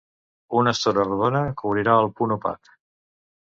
Una estora rodona cobrirà el punt opac.